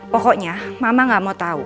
pokoknya mama gak mau tahu